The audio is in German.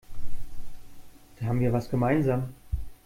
Da haben wir was gemeinsam.